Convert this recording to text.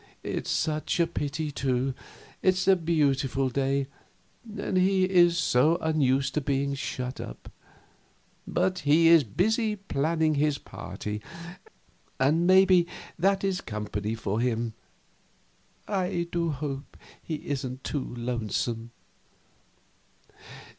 It's such a pity, too; it's a beautiful day, and he is so unused to being shut up. But he is busy planning his party, and maybe that is company for him. I do hope he isn't too lonesome."